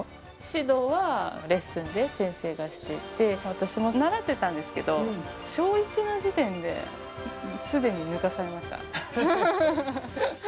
指導はレッスンで先生がしていて、私も習ってたんですけど、小１の時点で、すでに抜かされました。